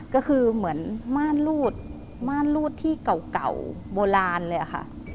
ก็คือเหมือนม่านรูดม่านรูดที่เก่าโบราณเลยค่ะ